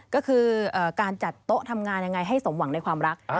ก็คือการจัดโต๊ะทำงานยังไงให้สมหวังในความรัก